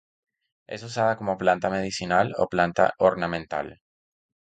Es usada como planta medicinal o planta ornamental.